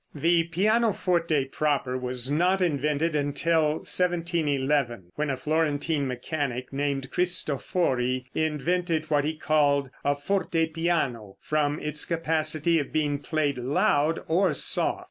] The pianoforte proper was not invented until 1711, when a Florentine mechanic, named Cristofori, invented what he called a Fortepiano, from its capacity of being played loud or soft.